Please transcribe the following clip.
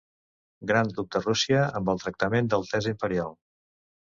Gran duc de Rússia amb el tractament d'altesa imperial.